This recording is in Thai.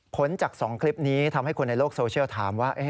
ผลจาก๒คลิปนี้ทำให้คนในโลกโซเชียลถามว่า